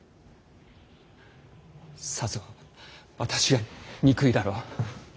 さぞ私が憎いだろう。